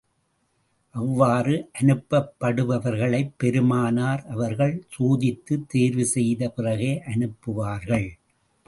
அவ்வாறு அனுப்பப்படுபவர்களைப் பெருமானார் அவர்கள் சோதித்துத் தேர்வு செய்த பிறகே அனுப்புவார்கள்.